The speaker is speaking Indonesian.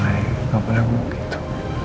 gak boleh begitu